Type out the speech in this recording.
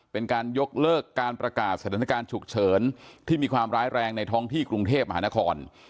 เป็นการยกเลิกการประกาศสถานการณ์ฉุกเฉินที่มีความร้ายแรงในท้องที่กรุงเทพมหานคร